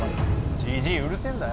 「じじいうるせえんだよ」。